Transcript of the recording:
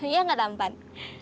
ya nggak tampan